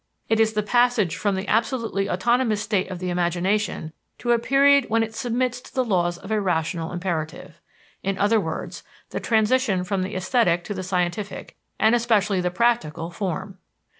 It is the passage from the absolutely autonomous state of the imagination to a period when it submits to the laws of a rational imperative. In other words, the transition from the esthetic to the scientific, and especially the practical, form.